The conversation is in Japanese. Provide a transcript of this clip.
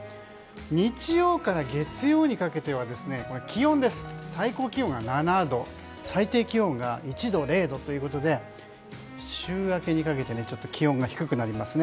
日曜から月曜にかけては最高気温が７度最低気温が１度０度ということで週明けにかけて気温が低くなりますね。